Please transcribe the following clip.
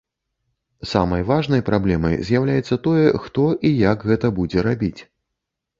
Самай важнай праблемай з'яўляецца тое, хто і як гэта будзе рабіць.